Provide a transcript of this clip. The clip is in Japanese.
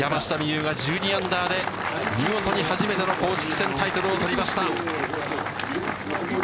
有が１２アンダーで、見事に初めての公式戦タイトルを取りました。